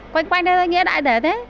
quanh quanh đây là nghĩa đại đề thế